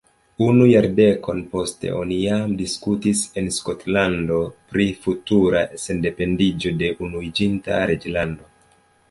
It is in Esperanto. Unu jardekon poste, oni jam diskutis en Skotlando pri futura sendependiĝo de Unuiĝinta Reĝlando.